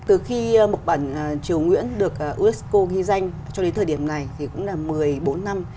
từ khi một bản triều nguyễn được unesco ghi danh cho đến thời điểm này thì cũng là một mươi bốn năm